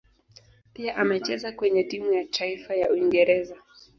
Pia amecheza kwenye timu ya taifa ya Uingereza.